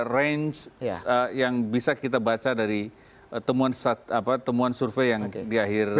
range yang bisa kita baca dari temuan survei yang di akhir